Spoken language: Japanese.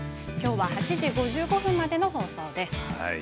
きょうは８時５５分までの放送です。